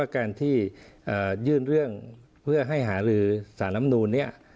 การที่ยื่นเรื่องเพื่อให้หาลือสารลำนูนเนี่ย